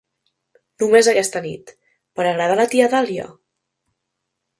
Només aquesta nit, per agradar a la tia Dahlia?